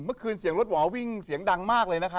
เมื่อคืนเสียงรถหวาวิ่งเสียงดังมากเลยนะคะ